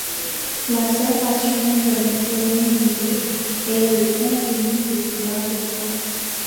La seule passion que lui connaît Lulu est le contenu de ses intestins...